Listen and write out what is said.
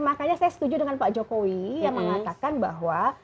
makanya saya setuju dengan pak jokowi yang mengatakan bahwa